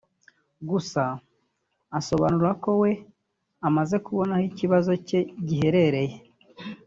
gusa asobanura ko we amaze kubona aho ikibazo cye giherereye